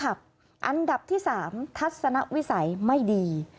อันดับที่๓ทัศนวิสัยไม่ดี